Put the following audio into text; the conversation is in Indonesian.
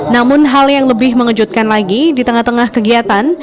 namun hal yang lebih mengejutkan lagi di tengah tengah kegiatan